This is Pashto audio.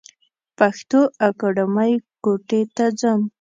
پښتو اکېډمۍ کوټي ته ځم.